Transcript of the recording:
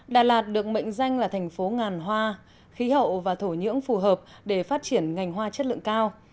đà lạt được mệnh danh là thành phố ngàn hoa khí hậu và thổ nhưỡng phù hợp để phát triển ngành hoa chất lượng cao